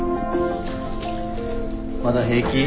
まだ平気？